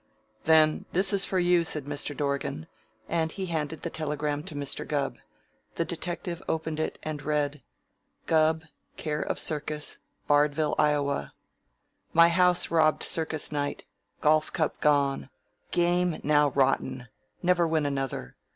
"Then this is for you," said Mr. Dorgan, and he handed the telegram to Mr. Gubb. The detective opened it and read: Gubb, Care of Circus, Bardville, Ia. My house robbed circus night. Golf cup gone. Game now rotten: never win another.